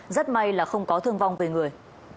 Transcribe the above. rất may là không có thương vong về người